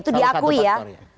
itu diakui ya